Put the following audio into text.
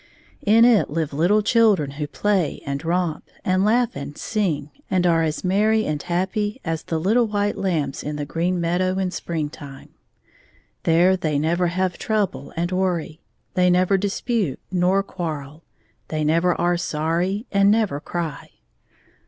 In it live little chil dren who play and romp^ and laugh and sing^ and are as merry and happy as the little white lambs in the green meadow in springtime. There they never have trouble and worry; they never dispute nor quarrel ; they never are sorry and never cry.